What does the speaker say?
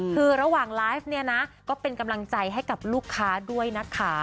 คือระหว่างไลฟ์เนี่ยนะก็เป็นกำลังใจให้กับลูกค้าด้วยนะคะ